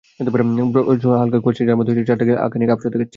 শত্রু বলতে শুধু হালকা কুয়াশা যার মধ্য দিয়ে চাঁদটাকে খানিকটা আবছা দেখাচ্ছে।